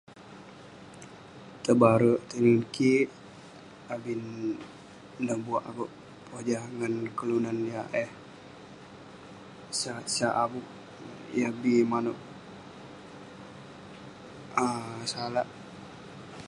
Tebarek tinen kik, abin neh buak akuek pojah ngan keluan yah eh sat-sat avuk yah bi manouk um salak.